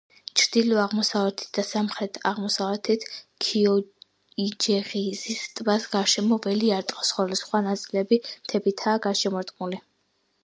ჩრდილო-აღმოსავლეთით და სამხრეთ-აღმოსავლეთით ქიოიჯეღიზის ტბას გარშემო ველი არტყავს, ხოლო სხვა ნაწილები მთებითაა გარშემორტყმული.